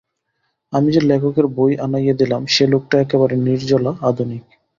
আমি যে লেখকের বই আনাইয়া দিলাম সে লোকটা একেবারে নির্জলা আধুনিক।